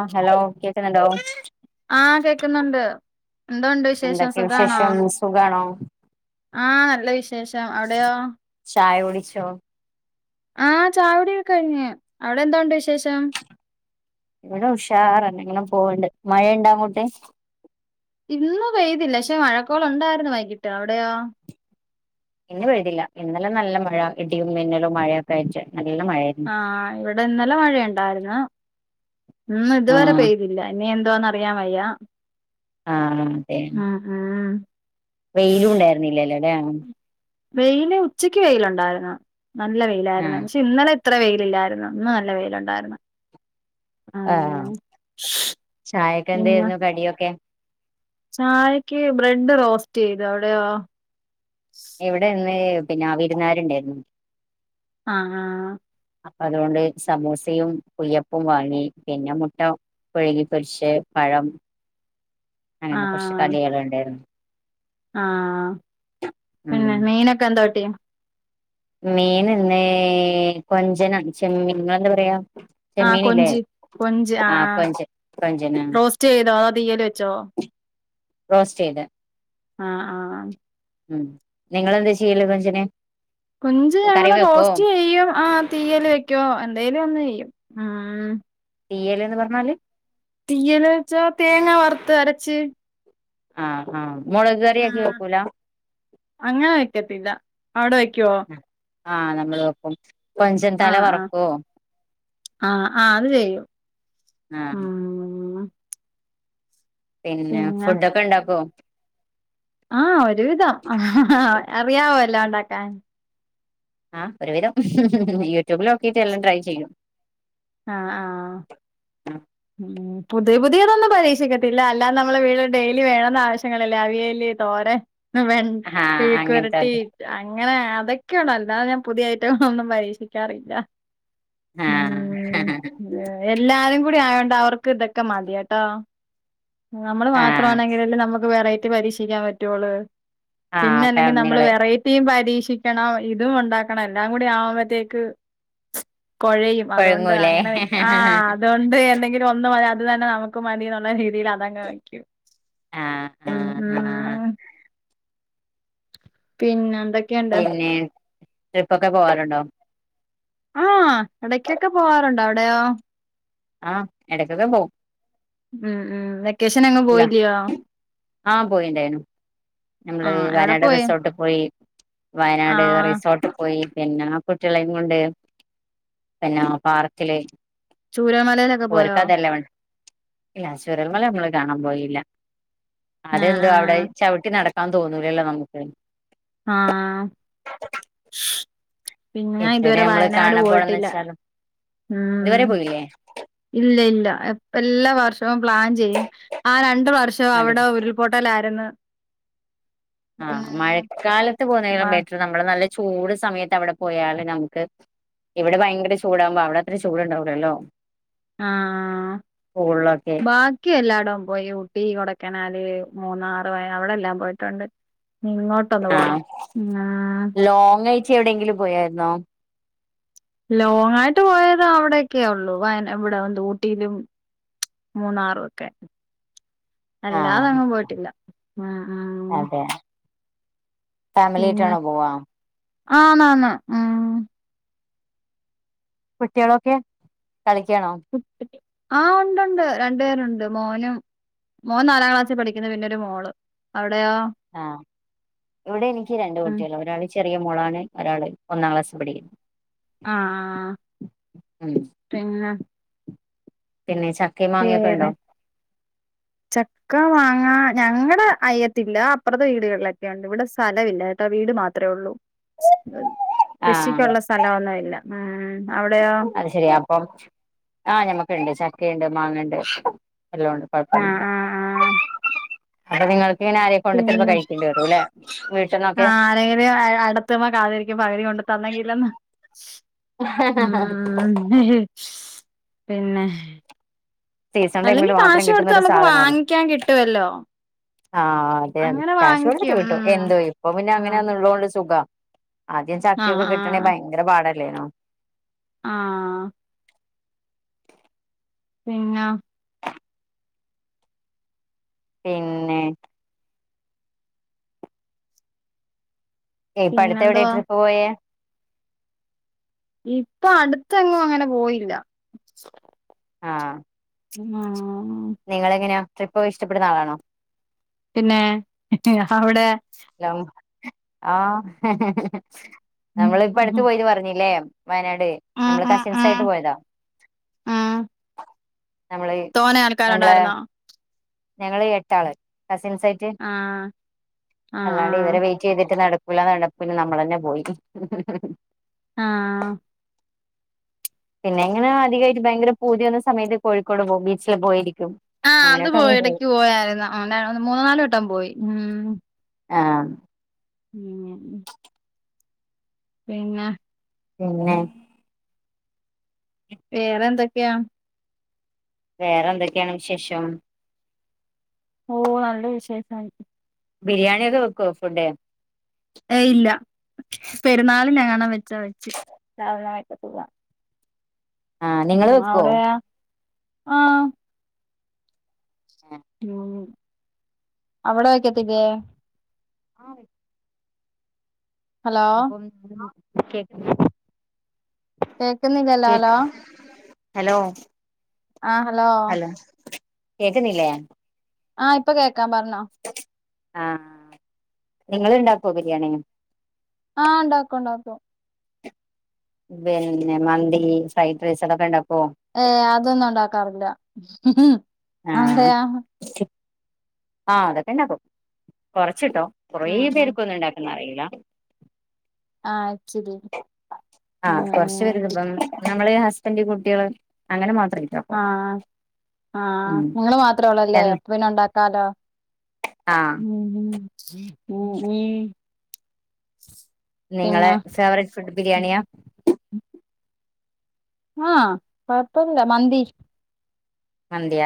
ആഹ് hello കേക്കുന്നുണ്ടോ ആ കേക്കുന്നുണ്ട് എന്തൊണ്ട് വിശേഷം എന്തൊക്കെ സുഖാണോ വിശേഷം സുഖാണോ ആ നല്ല വിശേഷം അവിടെയോ ക്ഷോ ആ ചായു ടിയൊക്കെ കഴിഞ്ഞു അവിടെ എന്തൊണ്ട് വിശേഷം ഇവിടെ ഉഷാറെന്നെ ഇങ്ങനെ പോവണ്ട് മഴ ണ്ടൊ അങ്ങോട്ട് ഇന്ന് പെയ്തില്ല ക്ഷെ മഴക്കോള് ഉണ്ടായിരുന്നു വൈകിട്ട് അവിടെയോ ഇന്ന് പെയ്തില്ല ഇന്നലെ നല്ല മഴ ഇടിയും മിന്നലും മഴയൊക്കായ്റ്റ് ആഹ് ഇവിടിന്നലെ മഴയുണ്ടാര്ന്ന്. ആ ഇന്നിതുവരെ പെയ്തില്ല. ഇനി എന്തുവാന്നറിയാൻ വയ്യ. ആ അതെ ആഹ് ആഹ് വെയിലും ഉണ്ടായിരുന്നില്ലല്ലോ അതാണ്. വെയില്, ഉച്ചക്ക് വെയിലുണ്ടാരുന്ന്. നല്ല ആ വെയിലാരുന്ന്. പക്ഷേ ഇന്നലെ അത്ര വെയിലില്ലാര്ന്നു. ഇന്ന് നല്ല വെയിലൊണ്ടാര്ന്ന്. ആഹ് പിന്നെ ചായക്കെന്തായിരുന്നു കടിയൊക്കെ ചായക്ക് ബ്രെഡ് റോസ്റ്റ് ചെയ്ത്. അവിടെയോ? ഇവിടെ ഇന്ന് പിന്നാ വിരുന്നാരുണ്ടാരുന്നു. ആഹ് ആഹ് അപ്പൊ അതുകൊണ്ട് സമൂസയും കുയ്യപ്പും വാങ്ങി. പിന്നെ മുട്ട പുഴുങ്ങി പൊരിശ് പഴം അങ്ങനെ കുറച്ച് ആഹ് കടികൾ ഉണ്ടാരുന്നു. ആഹ് പിന്നെ മീനൊക്കെ എന്തോ കിട്ടി? മീനിന്നേ കൊഞ്ചനം ചെമ്മീൻ നിങ്ങ ളന്താ പറയാ? ആ ചെമ്മീനില്ലേ, കൊഞ്ച് കൊഞ്ച് ആ ആഹ് ആ കൊഞ്ച്, കൊഞ്ചന. റോസ്റ്റ് ചെയ്തോ അതോ തീയല് വെച്ചോ റോസ്റ്റ് ചെയ്ത് ആഹ് ആഹ് ഉം നിങ്ങളെന്താ ചെയ്യല് കൊഞ്ചിനെ? കൊഞ്ച് ഞങ്ങള് റോസ്റ്റ് ചെയ്യും. ആ തീയല് വെയ്ക്കോ എന്തേലും ഒന്ന് ചെയ്യും. ഉം തീയലെന്ന് പറഞ്ഞാല് തീയല് വെച്ചാ തേങ്ങ വറുത്ത് അരച്ച് ആഹ് ആഹ് മുളക് ആ കറിയൊക്കെ വെക്കൂല അങ്ങനെ വെക്കത്തില്ല അവിടെ വെക്കുവോ ആഹ് നമ്മള് വെക്കും കൊഞ്ചൻ തല വറക്കോ ആഹ് ആഹ് അത് ചെയ്യും ആ ഉം പിന്നെ ഫുഡൊക്കെ ഉണ്ടാക്കുവോ ആഹ് ഒരുവിധം അറിയാവോ വെല്ലോം ഉണ്ടാക്കാൻ ആഹ് ഒരുവിധം യൂട്യൂബിൽ നൊക്കിട്ട് എല്ലാം ട്രൈ ചെയ്യും ആഹ് ആഹ് മ് പുതിയ പുതിയതൊന്നും പരീക്ഷിക്കത്തില്ല അല്ലാതെ നമ്മള് വീട്ടില് ഡെയിലി വേണന്ന ആവശ്യങ്ങളില്ലേ അവിയല് തോരൻ വെൺ ആ മെഴുക്കുപുരട്ടി അങ്ങനത്തൊക്കെ അ അങ്ങനെ അതൊക്കെയൊള്ളു അല്ലാതെ ഞാൻ പുതിയ ഐറ്റങ്ങളൊന്നും പരീക്ഷിക്കാറില്ല ആ ഉം എല്ലാരും കൂടെ ആയോണ്ട് അവർക്ക് ഇതൊക്കെ മതി കേട്ടോ നമ്മള് ആ മാത്രമാണെങ്കിലല്ലേ നമുക്ക് വെറൈറ്റി പരീക്ഷിക്കാൻ പറ്റുവൊളളു ആ പിന്നെ അപ്പ അല്ലെങ്കിൽ നമ്മള് നിങ്ങള് വെറൈറ്റിയും പരീ ക്ഷിക്കണം ഇതും ഉണ്ടാക്കണം എല്ലാം കൂടി ആവുമ്പോത്തേക്ക് കുഴയും അതുകൊണ്ട് കൊഴങ്ങൂലേ അങ്ങനെ ആ അതുകൊണ്ട് എന്തെങ്കിലും ഒന്ന് അത് തന്നെ നമുക്ക് മതി എന്നുള്ള രീതിയിൽ അതങ്ങ് വയ്ക്കും ആഹ് ഉം ആഹ് ഉം ആഹ് ഉം പിന്നെ എന്തൊക്കെയുണ്ട് പിന്നെ ട്രിപ്പ് ഒക്കെ പോവാറുണ്ടോ ആഹ് ഇടക്കൊക്കെ പോവാറുണ്ട് അവിടെയോ ആഹ് എടക്കൊക്കെ പോവും ഉം ഉം വെക്കേഷൻ എങ്ങും ഇല്ല പോയില്ലിയോ ആഹ് പോയിണ്ടായിനു നമ്മള് വയനാട് റിസോർട്ടിൽ പോയി വയനാട് ആഹ് റിസോർട്ടിൽ പോയി പിന്നെ കുട്ടികളെയും കൊണ്ട് പിന്നെ പാർക്കില് ചൂരൽമലയിലൊക്കെ പോയോ ഓർക്ക് അതെല്ലേ വേണ്ട ഇല്ല ചൂരൽമല നമ്മള് ഞാൻ പോയില്ല ആഹ് അതെന്തോ അവിടെ ആഹ് ചവിട്ടി നടക്കാൻ തോന്നൂലല്ലോ നമുക്ക് ആഹ് പിന്ന എത്രയൊക്കെ ഇതുവരെ വയനാട് പോയിട്ടില്ല ഇത് വരെ ഉം പോയില്ലേ ഇല്ല ഇല്ല എല്ലാ വർഷവും പ്ലാൻ ചെയ്യും ആ രണ്ട് വർഷം അതെ അവിടെ ഉരുൾപൊട്ടലായിരുന്നു ആഹ് ഉം മഴക്കാലത്ത് പോകുന്നേക്കാളും ബെറ്റർ നമ്മള് നല്ല ചൂട് സമയത്ത് അവിടെ പോയാല് നമുക്ക് ഇവിടെ ഭയങ്കര ചൂടാകുമ്പോ അവിടെ അത്ര ചൂടുണ്ടാവൂലല്ലോ ആഹ് സ്കൂളിലൊക്കെ ബാക്കി എല്ലാ ടോം പോയി ഊട്ടി കൊടേക്കനാല് മൂന്നാറ് വയ അവിടെല്ലാം പോയിട്ടുണ്ട് ഇങ്ങോട്ടൊന്ന് ആഹ് പോണം ഉം ലോങ് ആയിട്ട് എവിടെയെങ്കിലും പോയായിരുന്നോ ലോങ്ങ് ആയിട്ട് പോയത് അവിടൊക്കെയേ ഉള്ളു വയന ഇവിടെ എന്താ ഊട്ടിയിലും മൂന്നാറും ഒക്കെ അല്ലാതെ ആഹ് എങ്ങും പോയിട്ടില്ല ആഹ് ആഹ് ഫാമിലിയായിട്ടാണോ പോവാ ആന്ന് ആന്ന് ഉം കുട്ടിയോളൊക്കെ കളിക്കാണോ ആഹ് ഉണ്ട് ഉണ്ട് രണ്ടു പേരുണ്ട് മോനും മോൻ നാലാം ക്ലാസ്സിൽ പഠിക്കുന്ന് പിന്നെ ഒരു മോള് അവിടെ ആ ഇവിടെ എനിക്ക് രണ്ടു ഉം കുട്ടികളാ ഒരാള്ചെ റിയ മോളാണ് ഒരാള് ഒന്നാം ക്ലാസ് പഠിക്കു ആഹ് ആഹ് ഉം പിന്നെ? പിന്നെ ചക്കയും മാങ്ങയും ഒക്കെ ഉണ്ടോ? വേറെ ചക്ക, മാങ്ങാ, ഞങ്ങളുടെ അയ്യത്തില്ല അപ്പുറത്തെ വീടുകളിലൊക്കെ ഉണ്ട് ഇവിടെ സ്ഥലമില്ല കേട്ടോ വി ട് മാത്രമേ ഉള്ളൂ. ആഹ് കൃഷിക്കുള്ള സ്ഥലമൊന്നും ഇല്ല അവിടെയോ? ച്ച് ആ ഞമ്മക്കുണ്ട് ചക്കയുണ്ട് മാങ്ങയുണ്ട് എല്ലാ ഉണ്ട്. കുഴപ്പ ആഹ് ഒന്നുമില്ല. ആഹ് ആഹ് അപ്പൊ നിങ്ങൾക്ക് എങ്ങനയാ ആരെലും [unintelligible] പിന്നെ കൊണ്ടുത്തരുമ്പകഴിക്കേണ്ടി വരുല്ലേ? ആഹ് ആരെങ്കിലും അടത്തുമ്പം കാത്തിരിക്കും പകുതി കൊണ്ട് തന്നെങ്കിലെന്ന്. ഉം പിന്നെ? സീസൺ ടൈമിൽ അല്ലെങ്കി മാത്രം കാശ് കിട്ടുന്ന കൊടുത്ത് ഒരു നമുക്ക് വാങ്ങിക്കാൻ കിട്ടുവല്ലോ? ആ അതെ അതെ അങ്ങനെ കാശ് കൊടുത്തിട്ടു വാങ്ങിക്കും ഉം കിട്ടും. എന്തോ ഇപ്പ പിന്നെ ആഹ് അങ്ങനെയൊന്നുള്ളോണ്ട് സുഖവാ ആദ്യം ആഹ് ചക്കയൊക്കെ കിട്ടണെങ്കി ആഹ് ഭയങ്കര പാടല്ലേനോ? ആഹ് പിന്ന പിന്നെ ഇപ്പ അടുത്തെവിടയാ പിന്നെന്തുവാ ട്രിപ്പ് പോയേ? ഇപ്പൊ അടുത്തെങ്ങും അങ്ങനെ പോയില്ല. ആ ഉമ്മാ നിങ്ങളെങ്ങനെയാ ട്രിപ്പ് ക്കെ ഇഷ്ടപ്പെടുന്ന ആളാണോ? പിന്നെ അവിടെ ആ ഉം നമ്മൾ ഉം ഇപ്പടുത്ത് ഉം പോയിന്ന് പറഞ്ഞില്ലേ വയനാട് നമ്മള് കസിൻസായിട്ട് പോയതാ. ഉം നമ്മള് തോനെ നമ്മളെ ആൾക്കാരുണ്ടായിരുന്നോ ഞങ്ങള് എട്ടാള് കസിൻസായിട്ട് ആഹ് ആഹ് അല്ലാണ്ട് ഇവരെ ആഹ് വെയിറ്റ് ചെയ്ത് റ്റ് നടക്കൂല്ലാന്ന് കണ്ടപ്പോ നമ്മളെന്നെ പോയി. ആ പിന്നെ ങ്ങനെ അധികായിട്ട് ഭയങ്കര പൂതി വന്ന സമയത്ത് കോഴിക്കോട് പോകും. ബീച്ചില് പോയിരി ആ അത് പോയി എടക്ക് പോയായിരുന്നു. [unintelligible] മൂന്നാല് വട്ടം പോയി ഉം ആ ഉം. പിന്നെ പിന്നെ വേറെന്തൊക്ക്യാ വേറെന്തൊക്കെയാണ് വിശേഷം ഓ നല്ല വിശേഷായി. ബിരിയാണി ഒക്കെ വെക്കോ ഫുഡ് ഏ ഇല്ല പെരുന്നാള്ണ്ങ്ങണംവെച്ചാ വെച്ച്. ആഹ് നിങ്ങള് വെക്കോ അവിടെ ആ ഉം. അവിടെ വെക്കത്തില്ലേ? ആ വെക്കും. ഹലോ അപ്പം [inaudible] കേക്കുന്നില്ലല്ലോ ഹലോ കേക്ക് ഹലോ ആ ഹലോ കേക്ക്ന്നില്ലേ ആ ഇപ്പൊ കേക്കാം പറഞ്ഞോ. ആ നിങ്ങള്ണ്ടാക്കോ ബിരിയാണി ആ ഉണ്ടാക്കും ഉണ്ടാക്കും പിന്നെ മന്തി, ഫ്രൈഡ് റൈസ് [unintelligible] ഏ അതൊന്നും ഉണ്ടാക്കാറില്ല അവിടെയോ ആ അതൊക്കെ ണ്ടാക്കും കൊറച്ച്ട്ടോ കൊറെ ഉം ഉം പേർക്കൊന്നും ണ്ടാക്കാനറിയില്ല [inaudible] ആ ആ കൊർച്ച് പെര്ള്ളപ്പം നമ്മള് ഹസ്ബന്റ് കുട്ട്യാള് അങ്ങനെ മാത്ര ആ ആ ആ ഉം നിങ്ങള് മാത്രേ ഒള്ള ല്ലേ എൻ അ പിന്നെ ഒണ്ടാക്കാലോ ആഹ് ഉം ഉം നിങ്ങളെ പിന്നെ ഫേവറേറ്റ് ഫുഡ് ബിരിയാണിയാ ആ കൊയപ്പൊന്നുല്ല മന്തി മന്ത്യ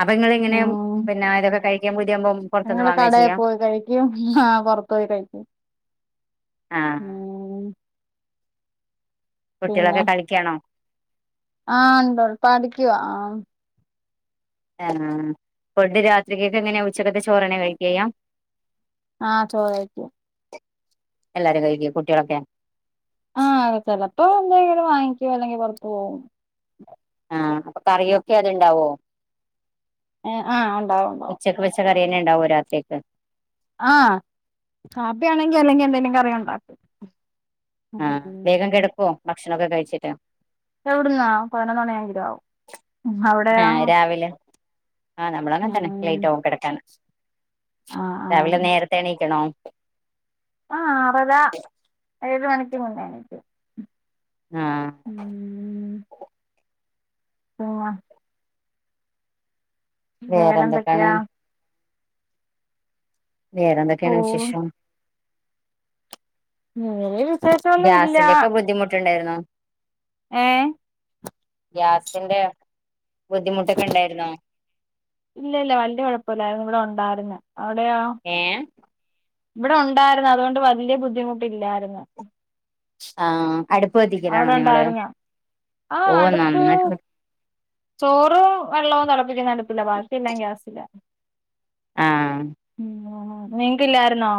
അപ്പൊ ങ്ങളെങ്ങനെയ ഉം പിന്നെ ഇതൊക്കെ കഴിക്കാൻ പൂതിയാവുമ്പം പൊറത്ത്ന്ന് വാങ്ങാ ചെയ്യാ പൊർത്തോയി കഴിക്കും ആ ഉം കുട്ട്യാളൊക്കെ കളിക്കാണോ ആ ഉണ്ട് [unintelligible] ആ ഫുഡ്‌ രാത്രിക്കക്കെങ്ങനെയ ഉച്ചക്കത്തെ ചോറെന്നെ കയ്ക്ക്യാ ചെയ്യാ ആ ചോറേയ്ക്കും എല്ലാരും കഴിക്കോ കുട്ട്യാളൊക്കെ ആ അ ചെലപ്പോ എന്തെങ്കിലും വാങ്ങിക്കേ അല്ലെങ്കി പൊറത്തു പോകും ആ അപ്പൊ കറിയൊക്കെ അതുണ്ടാവോ ആ ഉണ്ടാവും ഉണ്ടാവും ഇതന്നെ ഉണ്ടാകുവോ രാത്ര ഒക്കെ ആഹ് കാപ്പി ആണെങ്കി അല്ലെങ്കി എന്തെങ്കിലും കറി ഉണ്ടാക്കും ആഹ് വേഗം കിടക്കുവോ ഭക്ഷണൊക്കെ കഴിച്ചിട്ട് എവിടുന്നാ പതിനൊന്ന് മണി എങ്കിലും ആവും അവിടെയാ ആഹ് രാവിലെ ആഹ് നമ്മളും അങ്ങനെ തന്നെ ഉം ലേറ്റ് ആകും കിടക്കാൻ ആഹ് ആഹ് രാവിലെ നേരത്തെ എണീക്കണോ ആഹ് ആറര ഏഴ് മണിക്ക് മുന്നേ എണീക്കും ആഹ് ഉം ഓ വേറെ എന്തൊക്കാണ് വേറെന്തൊക്കെയാ വേറെ എന്തൊക്കെയാണ് ഓഹ് വിശേഷം വേറെ വിശേഷം ഒന്നും ഇല്ല ഗ്യാസിന്റെ ഒക്കെ ബുദ്ധിമുട്ടുണ്ടായിരുന്നോ ഏ ഗ്യാസിന്റെ ബുദ്ധിമുട്ടൊക്കെ ഉണ്ടായിരുന്നോ ഇല്ല ഇല്ല വല്യ കുഴപ്പില്ലായിരുന്നു ഇവിടെ ഉണ്ടായിരുന്ന ഏ ഇവിടെ ഉണ്ടായിരുന്നു അതുകൊണ്ട് വലിയ ബുദ്ധിമുട്ടില്ലായിരുന്നു ആഹ് അടുപ്പ് കത്തിക്കലാണോ അവിടെ നിങ്ങള് ഉണ്ടായിരുന്നോ ആഹ് ഓ അടുപ്പ് നന്നായി ചോറും വെള്ളവും തിളപ്പിക്കുന്ന അടുപ്പില്ല ബാക്കി എല്ലാം ഗ്യാസില ആഹ് ഉം നിങ്ങക്കില്ലായിരുന്നോ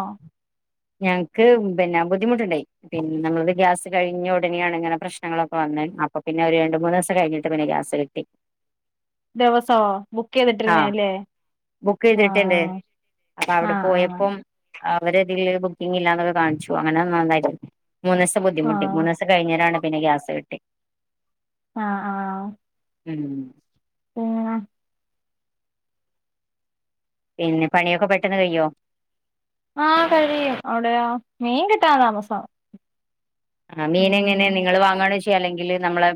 ഞങ്ങൾക്ക് പിന്നെ ബുദ്ധിമുട്ടുണ്ടായി പിന്നെ നമ്മളത് ഗ്യാസ് കഴിഞ്ഞ ഉടനെയാണ് ഇങ്ങനെ പ്രശ്നങ്ങളൊക്കെ വന്നത് അപ്പൊ പിന്നെ ഒരു രണ്ട് മൂന്ന് ദിവസം കഴിഞ്ഞിട്ട് പിന്നെ ഗ്യാസ് കിട്ടി ദിവസോ ബുക്ക് ആഹ് ചെയ്തിട്ടിരുന്നയാല്ലേ ബുക്ക് ചെയ്തിട്ടുണ്ട് അപ്പ അവിടെ ആഹ് ആഹ് പോയപ്പം അവര്തിലല് ബുക്കിംഗ ഇല്ലാന്നൊക്കെ കാണിച്ചു അങ്ങനെ നന്നായിരുന്നു മന്ന ദിവം ബുദ്ധിമുട്ടി ആഹ് മൂന്ന ദിവം കഴിരാണ് പിന്നെ ഗ്യാസ് കട്ടി ആഹ ആഹ ഉം ഓ പിന്നെ പണിയൊക്കെ പെട്ടെന്ന് കയോ ആഹ കഴിയും അവിടെയ മീൻ കിട്ടാൻ താമസം ആ മീന എങ്ങനെ നിങ്ങള് വാങ്ങണ ചെയ്യ അല്ലെങ്കിൽ നമ്മളെ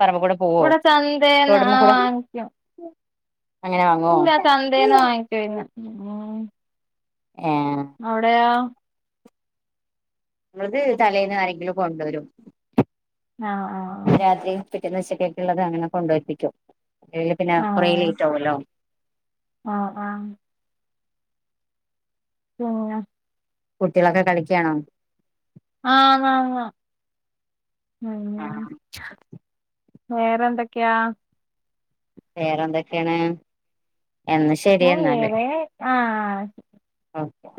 പറമ്പ കൂടെ പോവോ ഇവിടെ ചന്തേന്ന് ടുമ്പ ആഹ് കൂടെ വാങ്ങിക്കും അങ്ങനെ വാങ്ങോ ഇല്ല ചന്തേന്ന് വാങ്ങിക്കുന്ന് ഏഹ് അവിടെയാ നമ്മത് തലേൽന്ന് ആരെങ്കിലും കൊണ്ടുവരും ആഹ ആഹ ആഹ പിറ്റ ദശക്കൊക്ക ഉള്ളത് അങ്ങനെ കൊണ്ടുവെപ്പക്കും അല്ലെ പിന്നെ കുറെേ ലേറ്റ് ആവൊല്ലോ ആഹ ആഹ ഉം കുട്ടികളൊക്കെ കളിക്കണോ ആഹ് ആ ആ ഉ ആ വേറെന്തൊക്കെയാ വേറെന്തൊക്കെയാണ് എന്ന ശരി എന്ന എന്നല് ആ അക്കെ